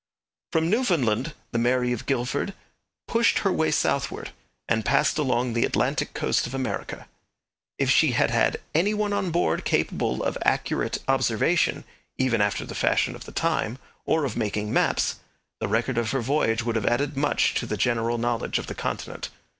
From Newfoundland the Mary of Guildford pursued her way southward, and passed along the Atlantic coast of America. If she had had any one on board capable of accurate observation, even after the fashion of the time, or of making maps, the record of her voyage would have added much to the general knowledge of the continent.